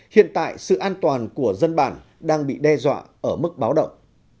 hiện tại sự an toàn của dân bản đang bị đe dọa ở mức báo động